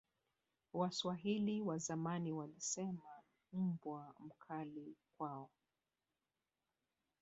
waswahili wa zamani walisema mbwa mkali kwao